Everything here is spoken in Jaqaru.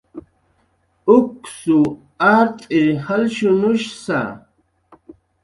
Uksw art'ir jalshunushsa